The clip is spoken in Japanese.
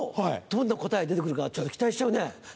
どんな答え出て来るか期待しちゃうね。